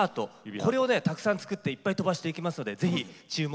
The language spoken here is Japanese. これをねたくさん作っていっぱい飛ばしていきますのでぜひ注目してみてください。